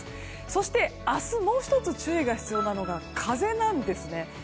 そして明日、もう１つ注意が必要なのが風なんですよね。